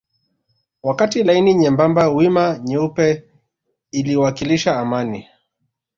Wakati laini nyembamba wima nyeupe iliwakilisha amani